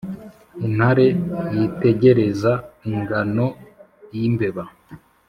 intare yitegereza ingano y' imbeba